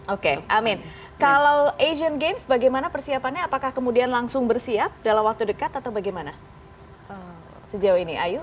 oke amin kalau asian games bagaimana persiapannya apakah kemudian langsung bersiap dalam waktu dekat atau bagaimana sejauh ini ayu